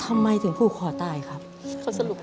ทำงานชื่อนางหยาดฝนภูมิสุขอายุ๕๔ปี